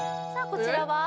こちらは？